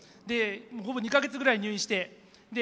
ほぼ２か月くらい入院して。